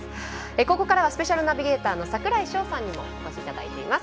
ここからはスペシャルナビゲーターの櫻井翔さんにお越しいただいています。